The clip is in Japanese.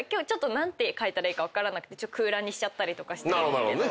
何て書いたらいいか分からなくて空欄にしたりとかしてるんですけど。